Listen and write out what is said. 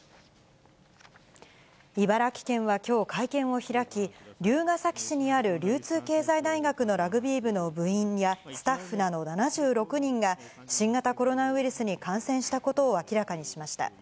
茨城県はきょう、会見を開き、龍ケ崎市にある流通経済大学のラグビー部の部員やスタッフなど７６人が、新型コロナウイルスに感染したことを明らかにしました。